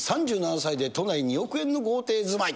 ３７歳で都内２億円の豪邸住まい。